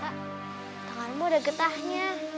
kak tanganmu udah getahnya